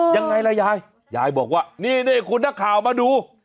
ยังไงล่ะยายยายบอกว่านี่นี่คุณนักข่าวมาดู